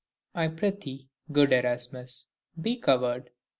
I prithee, good Erasmus, be covered.